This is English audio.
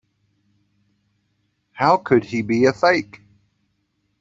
How could he be a fake?